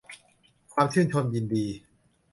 ความชื่นชมยินดี